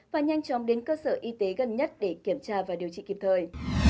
và nhanh chóng đến cơ sở y tế gần nhất để kiểm tra và điều trị kịp thời